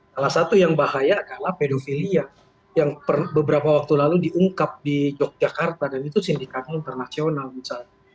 salah satu yang bahaya adalah pedofilia yang beberapa waktu lalu diungkap di yogyakarta dan itu sindikat internasional misalnya